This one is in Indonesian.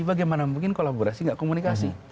bagaimana mungkin kolaborasi nggak komunikasi